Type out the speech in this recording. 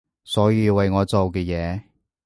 所有為我做嘅嘢